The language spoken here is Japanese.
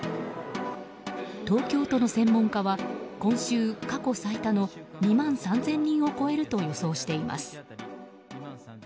東京都の専門家は今週、過去最多の２万３０００人を超えると予想しています。